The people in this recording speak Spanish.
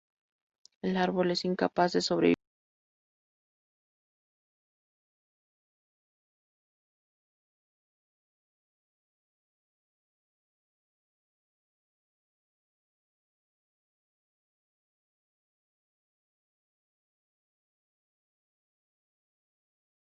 Se le atribuye haber definido el concepto de eficiencia termodinámica.